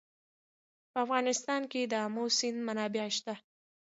په افغانستان کې د آمو سیند منابع شته.